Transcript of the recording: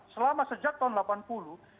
selama sejak tahun seribu sembilan ratus delapan puluh